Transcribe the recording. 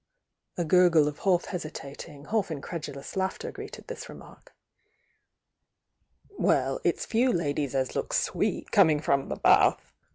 A gurgle of half hesitating, half incredu lous laughter greeted this remark. "Well, it's few ladies as looks 'sweet' coming from the bath